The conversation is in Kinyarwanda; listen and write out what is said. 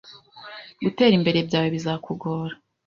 gutera imbere byawe bizakugora.